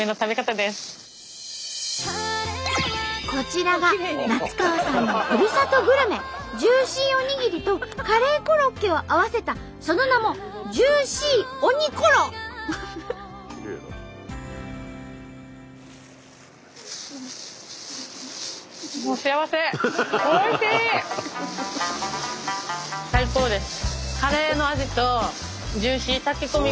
こちらが夏川さんのふるさとグルメジューシーおにぎりとカレーコロッケを合わせたその名も最高です！